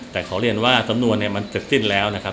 แต่ขอเรียนว่าสำนวนเนี่ยมันเสร็จสิ้นแล้วนะครับ